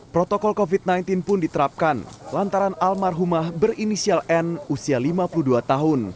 protokol covid sembilan belas pun diterapkan lantaran almarhumah berinisial n usia lima puluh dua tahun